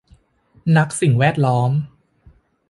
นักสิ่งแวดล้อม